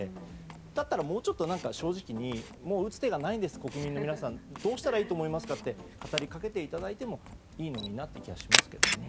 だったらもうちょっと正直に打つ手がないんです国民の皆さんどうしたらいいと思いますかって語りかけてくれてもいいのになという気がしますけどね。